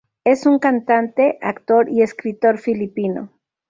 Es un cantante, actor y escritor filipino.